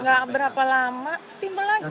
gak berapa lama timbul lagi